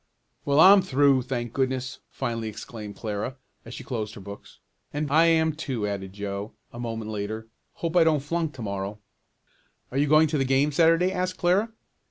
"Well, I'm through, thank goodness!" finally exclaimed Clara, as she closed her books. "And I am too," added Joe, a moment later. "Hope I don't flunk to morrow." "Are you going to the game Saturday?" asked Clara.